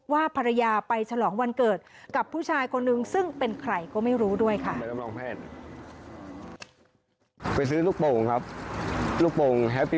ว่าภรรยาไปฉลองวันเกิดกับผู้ชายคนนึงซึ่งเป็นใครก็ไม่รู้ด้วยค่ะ